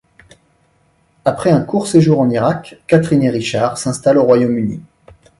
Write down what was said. Après un court séjour en Irak, Catherine et Richard s’installent au Royaume-Uni.